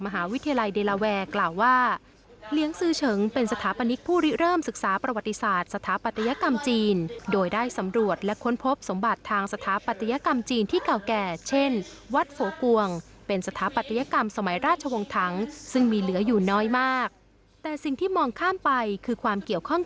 เจียงเจียงเจียงเจียงเจียงเจียงเจียงเจียงเจียงเจียงเจียงเจียงเจียงเจียงเจียงเจียงเจียงเจียงเจียงเจียงเจียงเจียงเจียงเจียงเจียงเจียง